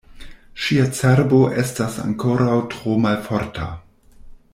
Ŝia cerbo estas ankoraŭ tro malforta.